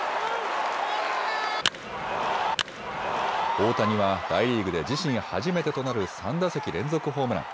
大谷は大リーグで自身初めてとなる３打席連続ホームラン。